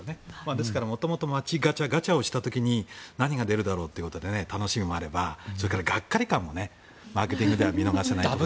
ですから元々街ガチャガチャをした時に何が出るだろうということで楽しみもあればそれからがっかり感も見逃せないと。